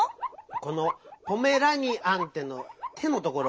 この「ポメラニアンって」の「って」のところ。